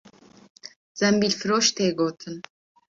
Zembîlfiroş tê gotin